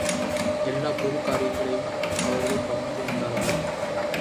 எல்லாப் பொதுக் காரியங்களையும் அவர்களே கவனித்து வந்தார்கள்.